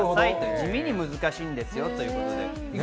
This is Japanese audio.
地味に難しいんですよということです。